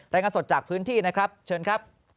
รายงานสดจากพื้นที่นะครับเชิญครับ